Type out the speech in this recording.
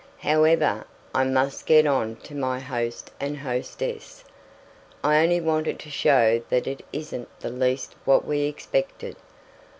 However, I must get on to my host and hostess. I only wanted to show that it isn't the least what we expected.